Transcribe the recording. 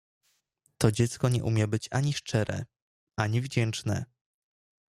To dziecko nie umie być ani szczere, ani wdzięczne.